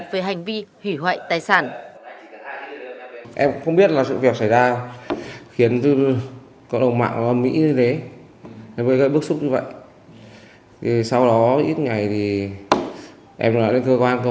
về hành vi hủy hoại tài sản